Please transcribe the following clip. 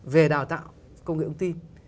về đào tạo công nghệ công ty